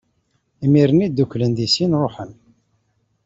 Imir-nni, dduklen di sin, ṛuḥen.